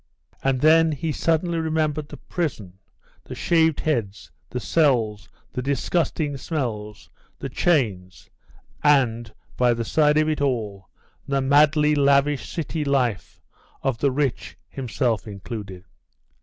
And then he suddenly remembered the prison, the shaved heads, the cells, the disgusting smells, the chains, and, by the side of it all, the madly lavish city lift of the rich, himself included.